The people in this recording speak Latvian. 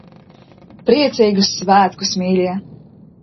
Priecīgus svētkus, mīļie!